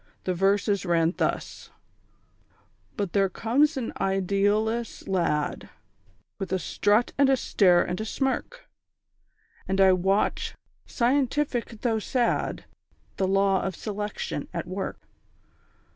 The verses ran thus: _"But there comes an idealless lad, With a strut, and a stare, and a smirk; And I watch, scientific though sad, The Law of Selection at work.